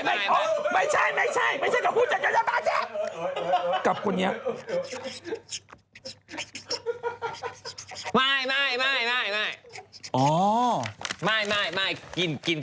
ไม่ใช่ไม่ใช่